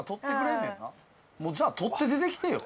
もうじゃあ取って出てきてよ。